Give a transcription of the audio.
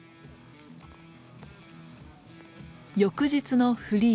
翌日のフリー。